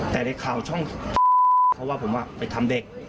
แต่ได้ข่าวช่องเขาว่าผมอ่ะไปทำเด็ก